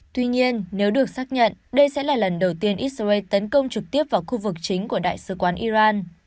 tuy nhiên nếu được xác nhận đây sẽ là lần đầu tiên israel tấn công trực tiếp vào khu vực chính của đại sứ quán iran